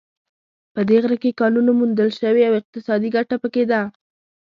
په دې غره کې کانونو موندل شوې او اقتصادي ګټه په کې ده